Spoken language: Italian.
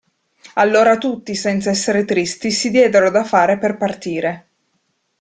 Allora tutti, senza essere tristi, si diedero da fare per partire.